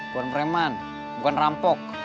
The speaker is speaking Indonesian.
buat preman bukan rampok